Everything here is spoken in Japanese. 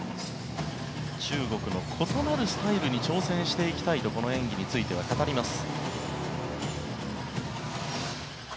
中国、異なるスタイルに挑戦していきたいとこの演技については語ります。